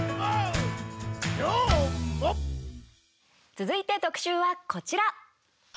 続いて特集は、こちら。